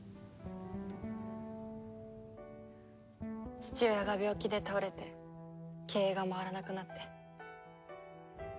父親が病気で倒れて経営が回らなくなって。